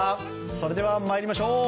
それでは参りましょう。